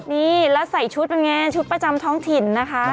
นี่แล้วใส่ชุดเป็นไงชุดประจำท้องถิ่นนะคะ